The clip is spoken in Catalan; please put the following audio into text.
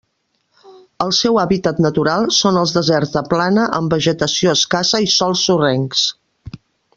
El seu hàbitat natural són els deserts de plana amb vegetació escassa i sòls sorrencs.